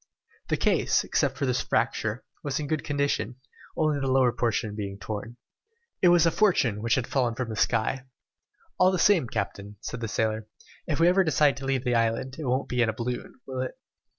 The case, except for the fracture, was in good condition, only the lower portion being torn. [Illustration: A WRECK IN THE AIR] It was a fortune which had fallen from the sky. "All the same, captain," said the sailor, "if we ever decide to leave the island, it won't be in a balloon, will it?